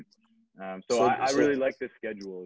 jadi saya sangat suka dengan schedule ini